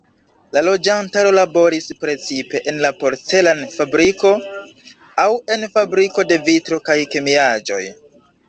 La loĝantaro laboris precipe en la porcelan-fabriko aŭ en fabriko de vitro kaj kemiaĵoj.